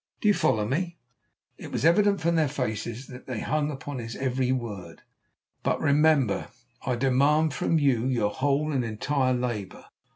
Do you follow me?" It was evident from their faces that they hung upon his every word. "But, remember, I demand from you your whole and entire labour.